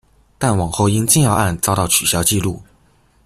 但往后因禁药案遭到取消记录。